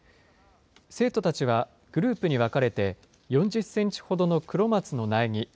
生徒たちはグループに分かれて、４０センチほどのクロマツの苗木